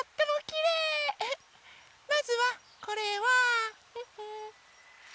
まずはこれは。